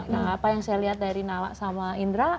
nah apa yang saya lihat dari nala sama indra